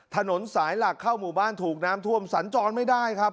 ถนนสายหลักเข้าหมู่บ้านถูกน้ำท่วมสัญจรไม่ได้ครับ